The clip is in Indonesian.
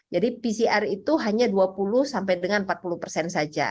jadi pcr itu hanya dua puluh sampai dengan empat puluh persen saja